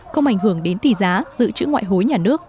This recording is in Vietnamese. không ảnh hưởng đến tỷ giá giữ chữ ngoại hối nhà nước